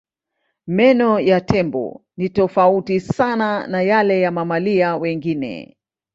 Meno ya tembo ni tofauti sana na yale ya mamalia wengine.